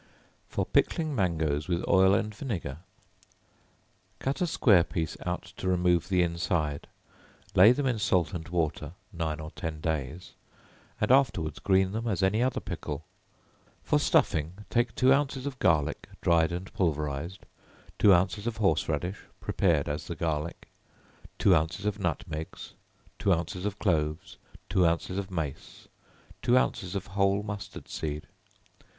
For Pickling Mangoes with Oil and Vinegar. Cut a square piece out to remove the inside; lay them in salt and water nine or ten days, and afterwards green them as any other pickle. For stuffing, take two ounces of garlic, dried and pulverized, two ounces of horse radish, prepared as the garlic, two ounces of nutmegs, two ounces of cloves, two ounces of mace, two ounces of whole mustard seed.